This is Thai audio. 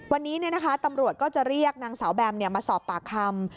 วันนี้ตำรวจก็จะเรียกนางสาวแบมมาสอบปากคำ